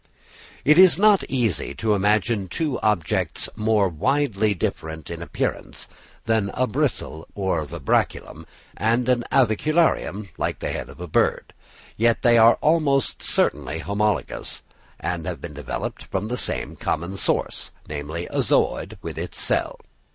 It is not easy to imagine two objects more widely different in appearance than a bristle or vibraculum, and an avicularium like the head of a bird; yet they are almost certainly homologous and have been developed from the same common source, namely a zooid with its cell.